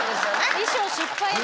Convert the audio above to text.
衣装失敗だ。